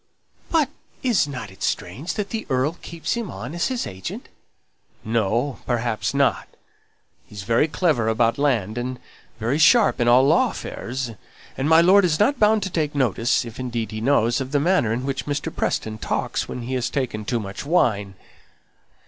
"But isn't it strange that the earl keeps him on as his agent?" "No! perhaps not. He's very clever about land, and very sharp in all law affairs; and my lord isn't bound to take notice if indeed he knows of the manner in which Mr. Preston talks when he has taken too much wine."